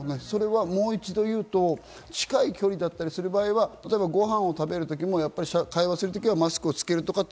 もう一度言うと、近い距離だったりする場合、ご飯を食べる時は会話する時はマスクをつけると。